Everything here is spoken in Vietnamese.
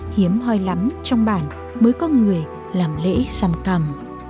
hiếm hoi lắm trong bản mới có người làm lễ xăm cầm